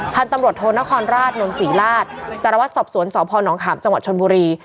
พันธุ์ตำรวจโทนครราชนนศรีราชสารวัตรสอบสวนสพนขามจังหวัดชนบุรี